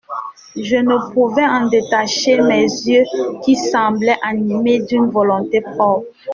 Je ne pouvais en détacher mes yeux, qui semblaient animés d'une volonté propre.